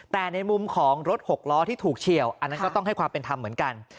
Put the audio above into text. แต่ในมุมของรถหกล้อที่ถูกเฉียวอันนั้นก็ต้องให้ความเป็นธรรมเหมือนกัน